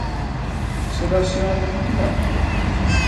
Será Seoane titular?